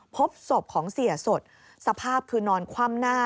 พบศพของเสียสดสภาพคือนอนคว่ำหน้า